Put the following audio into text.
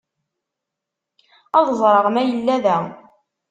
Ad ẓreɣ ma yella da.